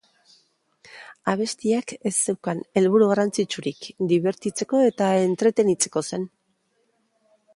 Abestiak ez zeukan helburu garrantzitsurik, dibertitzeko eta entretenitzeko zen.